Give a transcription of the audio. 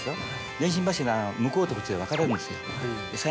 電信柱の向こうとこっちで別れるんですよ。